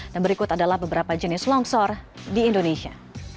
dan berikut adalah beberapa jenis longsor di indonesia